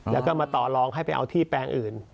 แล้วก็มาต่อลองให้ไปเอาที่แปลงอื่น